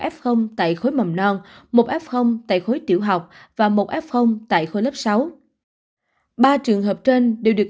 f tại khối mầm non một f tại khối tiểu học và một f tại khối lớp sáu ba trường hợp trên đều được